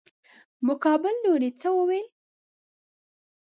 مقابل لوري څه وويل.